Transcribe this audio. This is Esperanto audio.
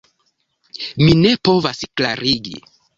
Mi ne povas klarigi